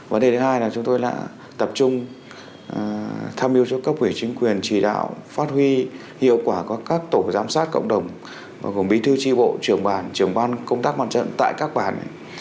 vấn đề thứ hai là chúng tôi đã tập trung tham mưu cho các quỷ chính quyền chỉ đạo phát huy hiệu quả của các tổ giám sát cộng đồng và gồm bí thư tri bộ trưởng bản trưởng ban công tác quan trận tại các bản